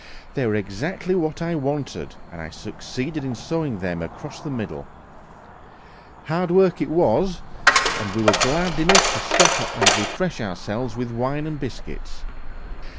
They were exactly what I wanted, and I succeeded in sawing them across the middle. Hard work it was, and we were glad enough to stop and refresh ourselves with wine and biscuits.